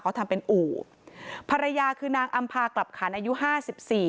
เขาทำเป็นอู่ภรรยาคือนางอำพากลับขันอายุห้าสิบสี่